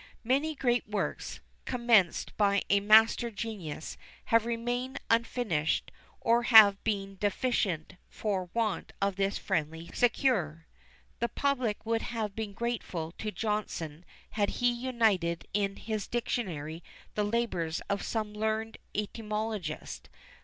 Many great works, commenced by a master genius, have remained unfinished, or have been deficient for want of this friendly succour. The public would have been grateful to Johnson, had he united in his dictionary the labours of some learned etymologist.